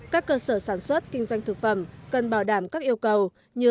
các cơ sở sản xuất kinh doanh thực phẩm cần bảo đảm các yêu cầu như